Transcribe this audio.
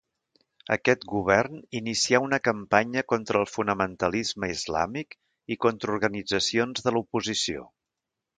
Aquest govern inicià una campanya contra el fonamentalisme islàmic i contra organitzacions de l'oposició.